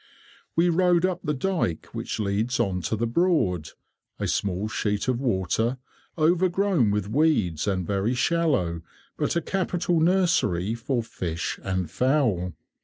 We rowed up the dyke which leads on to the Broad, a small sheet of water, overgrown with weeds and very shallow, but a capital nursery for fish and fowl.